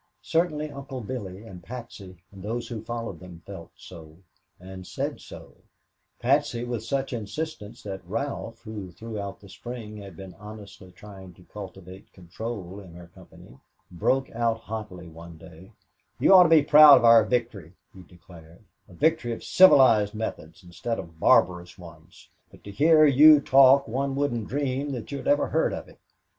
Certainly Uncle Billy and Patsy and those who followed them felt so, and said so Patsy with such insistence that Ralph who, throughout the spring had been honestly trying to cultivate control in her company, broke out hotly one day: "You ought to be proud of our victory," he declared; "a victory of civilized methods instead of barbarous ones, but to hear you talk one wouldn't dream that you had ever heard of it.